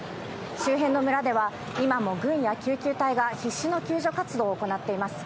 周辺の村では今も軍や救急隊が必至の救助活動を行っています。